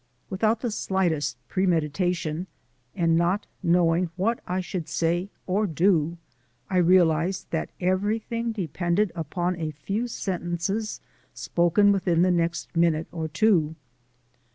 Without the premeditation and not knowing what I should say or do, I realized that everything depended upon a few sentences spoken within the next minute or two.